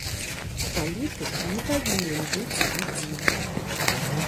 Палітык не павінен быць адзін.